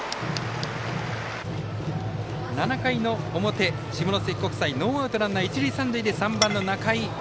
７回の表、下関国際ノーアウトランナー、一塁三塁で３番の仲井。